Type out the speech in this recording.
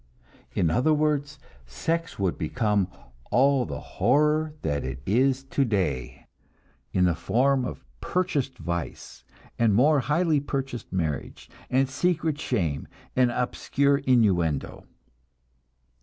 In other words, sex would become all the horror that it is today, in the form of purchased vice, and more highly purchased marriage, and secret shame, and obscure innuendo.